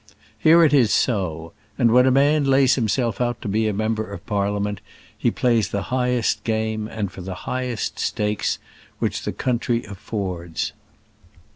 Here it is so; and when a man lays himself out to be a member of Parliament, he plays the highest game and for the highest stakes which the country affords.